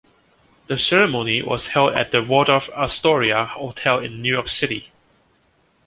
The ceremony was held at the Waldorf-Astoria Hotel in New York City.